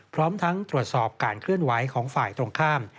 พร้อมทั้งตรวจสอบการเคลื่อนไหวของฝ่ายตรงข้าม